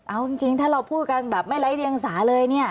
เอาจริงถ้าเราพูดกันแบบไม่ไร้เดียงสาเลยเนี่ย